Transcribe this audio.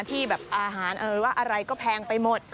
ที่แบบอาหารหรือว่าอะไรก็แพงไปหมด